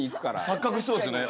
錯覚しそうですよね。